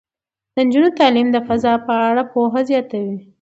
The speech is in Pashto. د نجونو تعلیم د فضا په اړه پوهه زیاتوي.